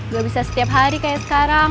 gak bisa setiap hari kayak sekarang